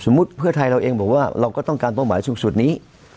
เพื่อไทยเราเองบอกว่าเราก็ต้องการเป้าหมายสูงสุดนี้